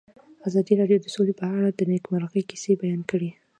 ازادي راډیو د سوله په اړه د نېکمرغۍ کیسې بیان کړې.